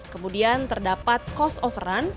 kemudian terdapat cost of run